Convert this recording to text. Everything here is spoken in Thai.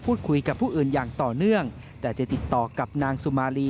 พูดคุยกับผู้อื่นอย่างต่อเนื่องแต่จะติดต่อกับนางสุมาลี